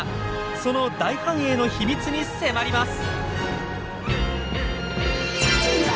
その大繁栄の秘密に迫ります。